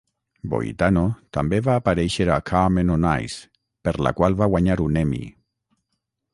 Boitano també va aparèixer a "Carmen on Ice", per la qual va guanyar un Emmy.